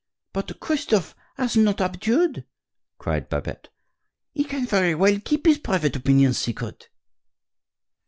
"But Christophe has not abjured!" cried Babette. "He can very well keep his private opinions secret."